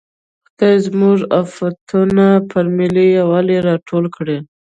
خدای زموږ افتونه پر ملي یوالي راټول کړي.